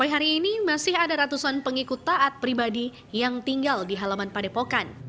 hari ini masih ada ratusan pengikut taat pribadi yang tinggal di halaman padepokan